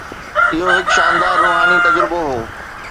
اهو هڪ شاندار روحاني تجربو هو